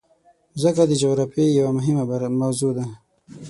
مځکه د جغرافیې یوه مهمه موضوع ده.